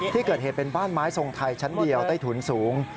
ที่เกิดเหตุเป็นบ้านไม้ทรงไทยชั้นเดียวใต้ถุนสูง